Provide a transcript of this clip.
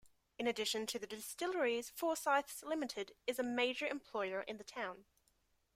In addition to the distilleries, Forsyths Limited is a major employer in the town.